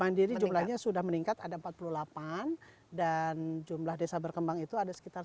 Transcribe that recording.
mandiri jumlahnya sudah meningkat ada empat puluh delapan dan jumlah desa berkembang itu ada sekitar satu ratus delapan puluh